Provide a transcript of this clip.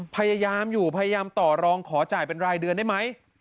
พยายามอยู่พยายามต่อรองขอจ่ายเป็นรายเดือนได้ไหม